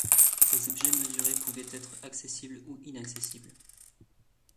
Les objets mesurés pouvaient être accessibles ou inaccessibles.